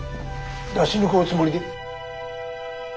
出し抜くおつもりで？